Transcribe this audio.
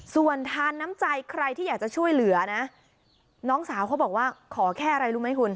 ส่วนทานน้ำใจใครที่อยากจะช่วยเหลือนะน้องสาวเขาบอกว่าขอแค่อะไรรู้ไหมคุณ